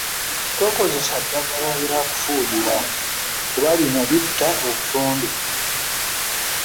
Tokozesa ddagala lya kufuuyira kuba lino litta obutonde.